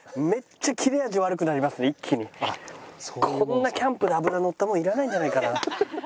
こんなキャンプで脂のったものいらないんじゃないかな。